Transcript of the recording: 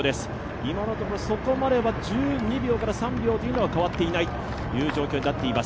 今のところ１２秒から１３秒というのは変わっていない状況になっています。